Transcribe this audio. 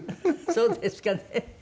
そうですかね。